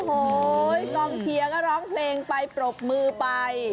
โอ้โหกองเชียร์ก็ร้องเพลงไปปรบมือไป